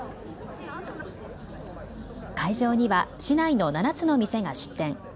会場には市内の７つの店が出店。